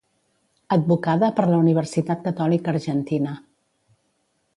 Advocada per la Universitat Catòlica Argentina.